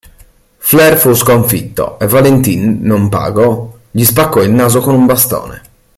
Flair fu sconfitto, e Valentine, non pago, gli spaccò il naso con un bastone.